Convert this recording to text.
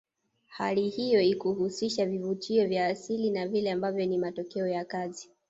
Hali hiyo ikihusisha vivutio vya asili na vile ambavyo ni matokeo ya kazi